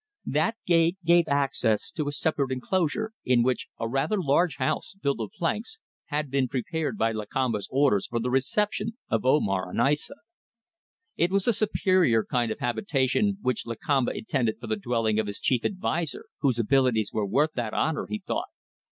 That gate gave access to a separate enclosure in which a rather large house, built of planks, had been prepared by Lakamba's orders for the reception of Omar and Aissa. It was a superior kind of habitation which Lakamba intended for the dwelling of his chief adviser whose abilities were worth that honour, he thought.